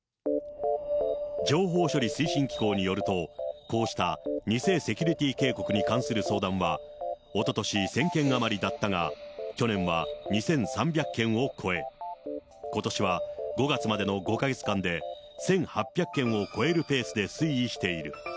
情報処理推進機構によると、こうした偽セキュリティー警告に関する相談は、おととし１０００件余りだったが、去年は２３００件を超え、ことしは５月までの５か月間で、１８００件を超えるペースで推移している。